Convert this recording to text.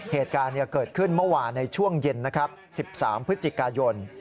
เหตุการณ์เกิดขึ้นเมื่อวานในช่วงเย็นนะครับ๑๓พฤศจิกายน